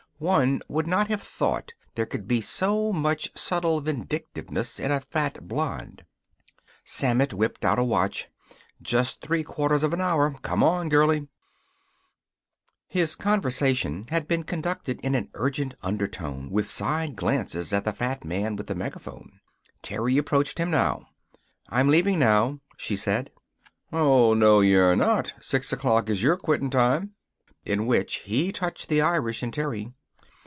One would not have thought there could be so much subtle vindictiveness in a fat blonde. Sammett whipped out a watch. "Just three quarters of an hour. Come on, girlie." His conversation had been conducted in an urgent undertone, with side glances at the fat man with the megaphone. Terry approached him now. "I'm leaving now," she said. "Oh, no, you're not. Six o'clock is your quitting time." In which he touched the Irish in Terry.